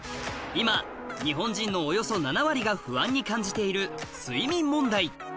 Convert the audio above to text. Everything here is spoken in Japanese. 今日本人のおよそ７割が不安に感じている睡眠問題